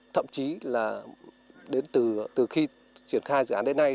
thậm chí là đến từ khi triển khai dự án đến nay